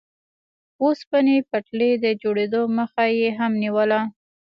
اوسپنې پټلۍ د جوړېدو مخه یې هم نیوله.